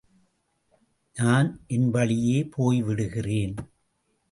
நான் என் வழியே போய்விடுகிறேன்.